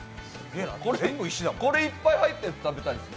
これいっぱい入って食べたいです。